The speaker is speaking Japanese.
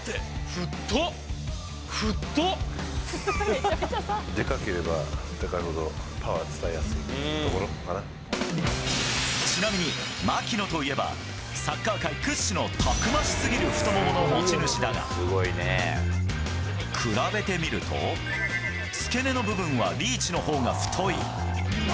ふっと。でかければでかいいほど、ちなみに、槙野といえば、サッカー界屈指のたくましすぎる太ももの持ち主だが、比べてみると、付け根の部分はリーチのほうが太い。